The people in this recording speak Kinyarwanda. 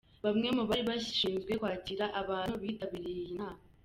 Bamwe mu bari bashinzwe kwakira abantu bitabiriye iyi nama.